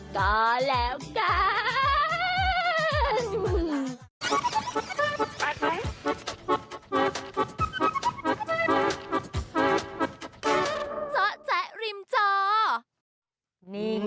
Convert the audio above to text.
ก็แล้วกัน